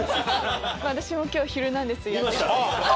私も今日『ヒルナンデス！』やって来ました。